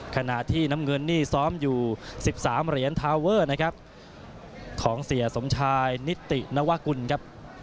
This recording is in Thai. ขณะที่น้ำเงินนี่ซ้อมอยู่๑๓เหรียญทาวเวอร์นะครับของเสียสมชายนิตินวกุลครับ